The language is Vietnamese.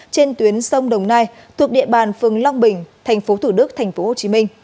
trên tuyến sông đồng nai thuộc địa bàn phường long bình tp thủ đức tp hcm